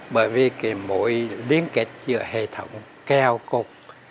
bởi vì cái mỗi liên kết giữa hệ thống keo cột